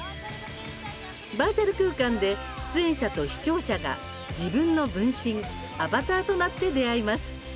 バーチャル空間で出演者と視聴者が自分の分身・アバターとなって出会います。